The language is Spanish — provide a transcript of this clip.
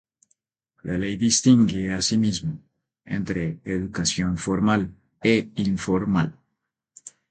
La ley distingue, asimismo, entre educación formal e informal.